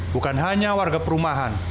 bukan hanya warga perumahan